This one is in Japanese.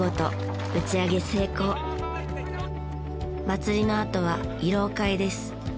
祭りのあとは慰労会です。